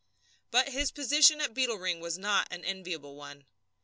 But his position at Beetle Ring was not an enviable one.